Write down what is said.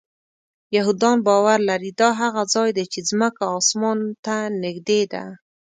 یهودان باور لري دا هغه ځای دی چې ځمکه آسمان ته نږدې ده.